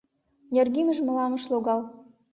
Наргӱмыж мылам ыш логал».